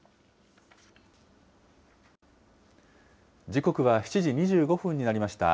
時刻は７時２５分になりました。